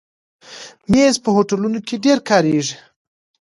مېز په هوټلونو کې ډېر کارېږي.